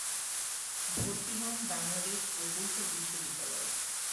ভর্তি হন বাংলাদেশ প্রকৌশল বিশ্ববিদ্যালয়ে।